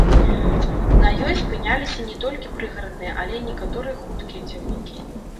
На ёй спыняліся не толькі прыгарадныя, але і некаторыя хуткія цягнікі.